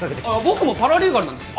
僕もパラリーガルなんです。